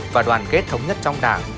và đoàn kết thống nhất trong đảng